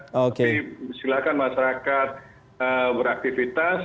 jadi silakan masyarakat beraktivitas